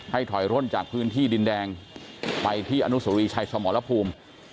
ให้ถอยร่นจากพื้นที่ดินแดงไปที่อนุสรีชายำหมอลพูม